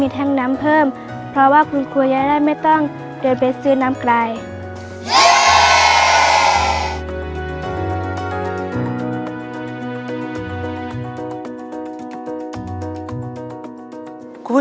ในแคมเปญพิเศษเกมต่อชีวิตโรงเรียนของหนู